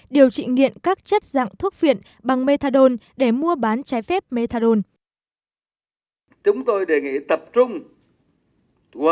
điều trị nghiện các chất dạng thuốc phiện bằng methadone để mua bán trái phép methadon